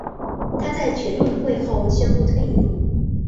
她在全运会后宣布退役。